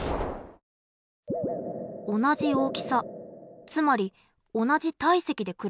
同じ大きさつまり同じ体積で比べた時。